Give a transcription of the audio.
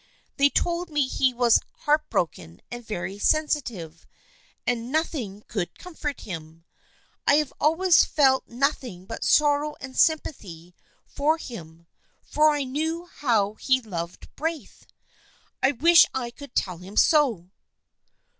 They told me he was heart broken and very sen sitive, and nothing could comfort him. I have always felt nothing but sorrow and sympathy for him, for I knew how he loved Braith. I wish I could tell him so."